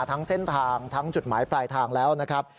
ทั้งเส้นทางทั้งจุดหมายปลายทางแล้วนะครับ